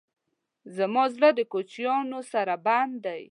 زما زړه د کوچیانو سره بند دی.